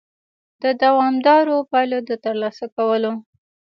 د دوامدارو پایلو د ترلاسه کولو